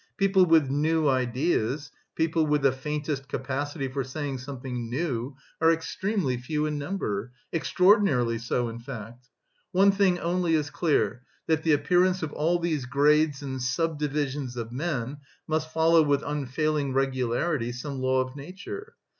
"People with new ideas, people with the faintest capacity for saying something new, are extremely few in number, extraordinarily so in fact. One thing only is clear, that the appearance of all these grades and sub divisions of men must follow with unfailing regularity some law of nature.